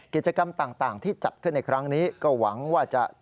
กิจกรรมต่างที่จัดขึ้นในครั้งนี้ก็หวังว่าจะ